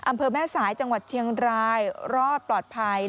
อำเภอแม่สายจังหวัดเชียงรายรอดปลอดภัย